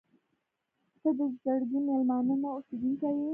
• ته د زړګي مېلمانه نه، اوسېدونکې یې.